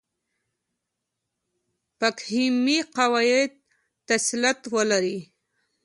فقهي قواعدو تسلط ولري.